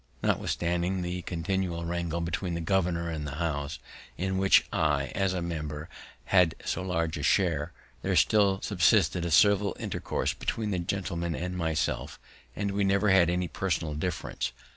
Notwithstanding the continual wrangle between the governor and the House, in which I, as a member, had so large a share, there still subsisted a civil intercourse between that gentleman and myself, and we never had any personal difference.